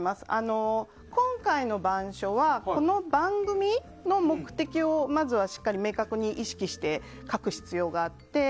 今回の板書はこの番組の目的をまずはしっかり明確に意識して、書く必要があって。